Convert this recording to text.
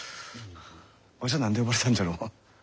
わしは何で呼ばれたんじゃろう。